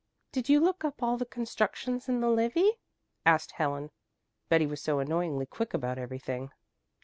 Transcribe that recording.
"Did you look up all the constructions in the Livy?" asked Helen. Betty was so annoyingly quick about everything.